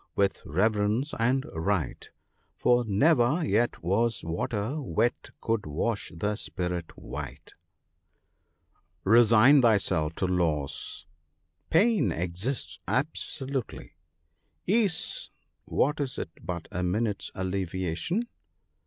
( l12 ) with reverence and rite, For never yet was water wet could wash the spirit white." Resign thyself tp loss. Pain exists absolutely. Ease what is it but a minute's alleviation